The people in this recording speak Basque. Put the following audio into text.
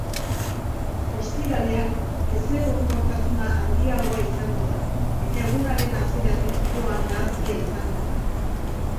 Ostiralean ezegonkortasuna handiagoa izango da eta egunaren hasieratik giroa nahasia izango da.